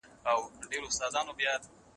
موسیقي د ذهن د ارامښت درمل دی.